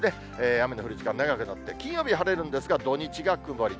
雨の降る時間、長くなって、金曜日晴れるんですが、土日が曇り。